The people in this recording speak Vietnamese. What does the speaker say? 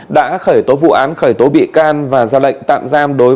đã khởi tố vụ án khởi tố bị can và ra lệnh tạm giam đối